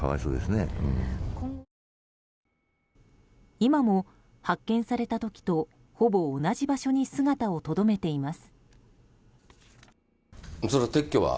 今も発見された時とほぼ同じ場所に姿をとどめています。